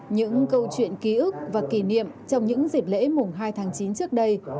những câu chuyện ký ức và kỷ niệm trong những dịp lễ mùng hai tháng chín trước đây